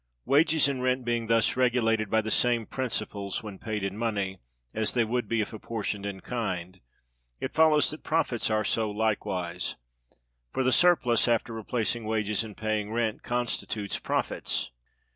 Wages and rent being thus regulated by the same principles when paid in money, as they would be if apportioned in kind, it follows that Profits are so likewise. For the surplus, after replacing wages and paying rent, constitutes Profits.